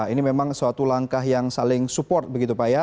ini memang suatu langkah yang saling support begitu pak ya